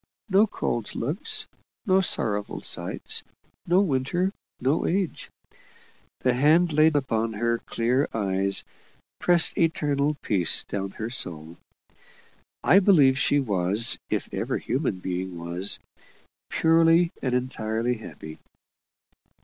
No cold looks no sorrowful sights no winter no age. The hand laid upon her clear eyes pressed eternal peace down on her soul. I believe she was, if ever human being was, purely and entirely happy.